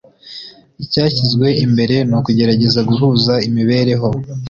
Icyashyizwe imbere n’ukugerageza guhuza imibereho